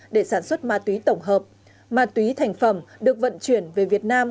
để sản xuất ma túy tổng hợp ma túy thành phẩm được vận chuyển về việt nam